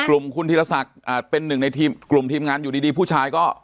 กลุ่มคุณธีรศักดิ์เป็นหนึ่งในทีมกลุ่มทีมงานอยู่ดีผู้ชายก็